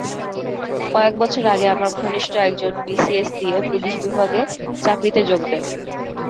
কয়েক বছর আগে আমার ঘনিষ্ঠ একজন বিসিএস দিয়ে পুলিশ বিভাগে চাকরিতে যোগ দেন।